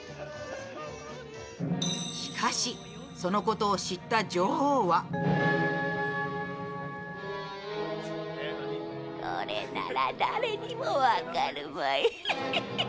しかし、そのことを知った女王はこれなら誰にも分かるまい。